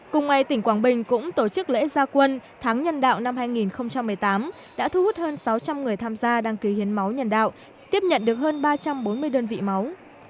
cùng ngày tỉnh quảng bình cũng tổ chức lễ gia quân tháng nhân đạo năm hai nghìn một mươi tám đã thu hút hơn sáu trăm linh người tham gia đăng ký hiến máu nhân đạo tiếp nhận được hơn ba trăm bốn mươi đơn vị máu